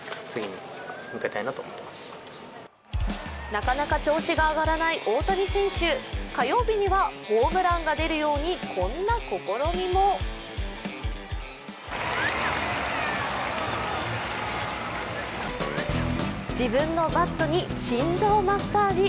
なかなか調子が上がらない大谷選手、火曜日にはホームランが出るようにこんな試みも自分のバットに心臓マッサージ。